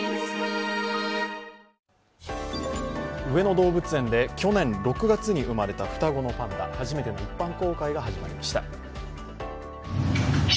上野動物園で去年６月に生まれた双子のパンダ、初めての一般公開が始まりました。